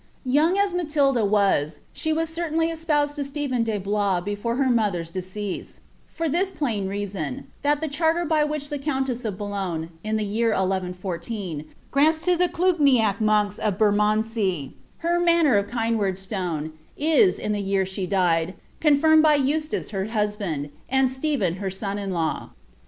Tonnff as Matilda was, she was certainly espousea to Stephen de Blois b^ore her mother's decease ; for this plain reason, that the charter by which the countess of Boulogne, in the year 1114, grants to the CXugniac monks of Bennondsey her manor of Kynewardstone, is, in the jmr she died, confiraied by Eustace her husband, and Stephen her son iii4aw.